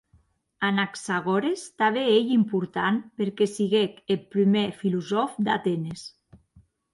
Anaxagores tanben ei important perque siguec eth prumèr filosòf d'Atenes.